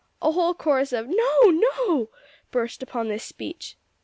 A whole chorus of "No no!" burst upon this speech.